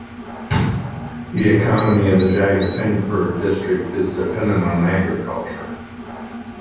The economy of the Jagatsinghpur district is dependent on agriculture.